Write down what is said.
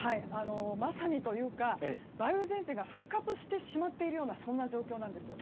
まさに、というか梅雨前線が復活してしまっているような状況なんです。